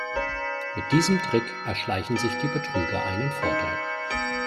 Mit diesem Trick erschleichen sich die Betrüger einen Vorteil.